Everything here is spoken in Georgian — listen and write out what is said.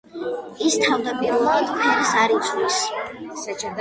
ის თავდაპირველად ფერს არ იცვლის.